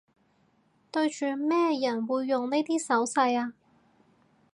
對住咩人會用呢啲手勢吖